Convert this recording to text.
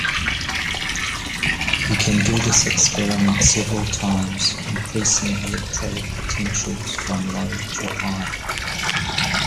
You can do this experiment several times increasing electrode potentials from low to high.